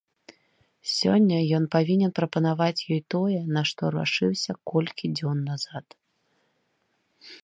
Сёння ён павінен прапанаваць ёй тое, на што рашыўся колькі дзён назад.